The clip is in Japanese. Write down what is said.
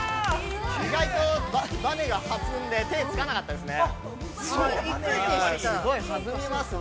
◆意外とばねが弾んで、手がつかなかったですね。